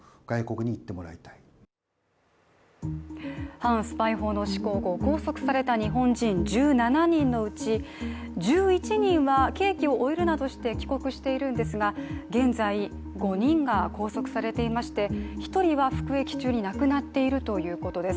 反スパイ法の施行後、拘束された日本人のうち１１人は刑期を終えるなどして帰国しているんですが現在５人が拘束されていまして、１人は服役中に亡くなっているということです。